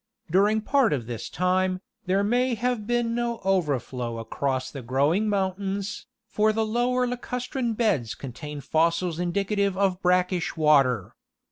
During part of this time, there may have been no overflow across the growing mountains, _for the lower lacustrine beds contain fossils indicative of brackish water.